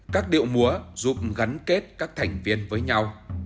các điệu múa giúp gắn kết các thành viên với nhau